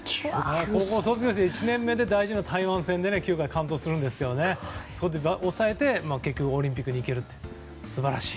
高校卒業して１年目で大事な台湾戦で９回完投するんですけどその時、抑えて結局オリンピックにいけるって素晴らしい。